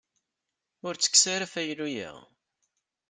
Ur ttekkes ara afaylu-ya.